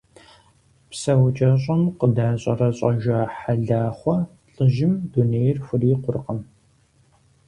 ПсэукӀэщӀэм къыдэщӀэрэщӀэжа Хьэлахъуэ лӀыжьым дунейр хурикъуркъым.